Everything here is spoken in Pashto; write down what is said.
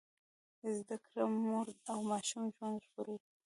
زده کړه د مور او ماشوم ژوند ژغوري۔